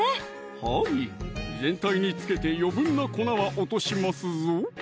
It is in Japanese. はい全体に付けて余分な粉は落としますぞ